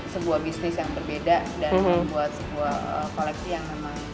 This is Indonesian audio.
sebuah bisnis yang berbeda dan membuat sebuah koleksi yang memang